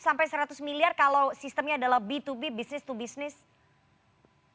sampai seratus miliar kalau sistemnya adalah b dua b business to business